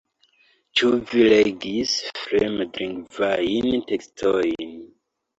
Ĉu vi legis fremdlingvajn tekstojn?